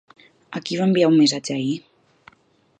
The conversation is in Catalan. A qui va enviar un missatge ahir?